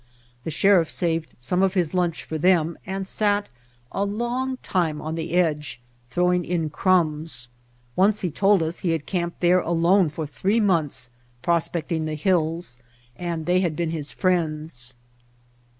The Sheriff saved some of his lunch for them and sat a long time on the edge throwing in White Heart of Mojave crumbs. Once, he told us, he had camped there alone for three months prospecting the hills, and they had been his friends.